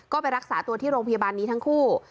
ก็ไปรักษาตัวที่โรงพยาบาลนี้ทั้งคู่